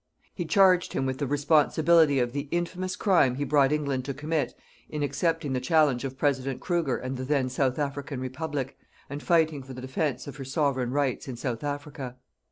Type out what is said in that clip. He charged him with the responsibility of the infamous crime he brought England to commit in accepting the challenge of President Kruger and the then South African Republic, and fighting for the defence of her Sovereign rights in South Africa.